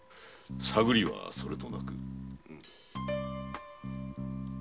探りはそれとなく。